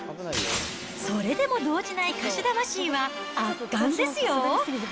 それでも動じない歌手魂は圧巻ですよ。